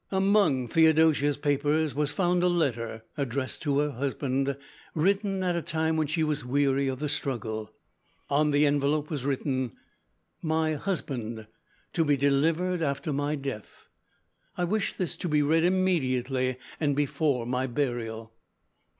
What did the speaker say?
Among Theodosia's papers was found a letter addressed to her husband, written at a time when she was weary of the struggle. On the envelope was written: "My Husband. To be delivered after my death. I wish this to be read immediately and before my burial."